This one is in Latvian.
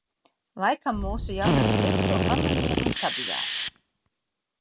Laikam mūsu jaunais zirgs to pamanīja un sabijās.